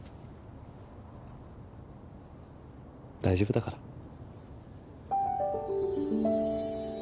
大丈夫だから。